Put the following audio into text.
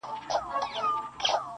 تا چي نن په مينه راته وكتل,